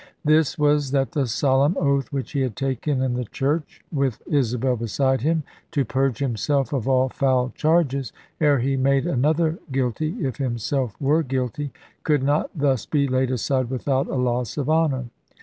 This was that the solemn oath which he had taken in the church, with Isabel beside him, to purge himself of all foul charges (ere he made another guilty, if himself were guilty), could not thus be laid aside without a loss of honour.